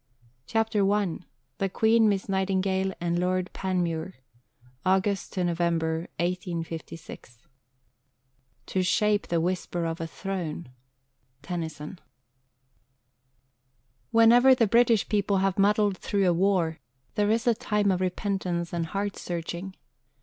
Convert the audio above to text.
CHAPTER I THE QUEEN, MISS NIGHTINGALE, AND LORD PANMURE (August November 1856) To shape the whisper of a throne. TENNYSON. Whenever the British people have muddled through a war, there is a time of repentance and heart searching.